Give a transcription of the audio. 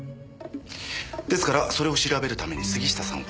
ですからそれを調べるために杉下さんは。